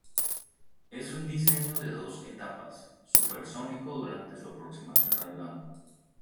Es un diseño de dos etapas, supersónico durante su aproximación al blanco.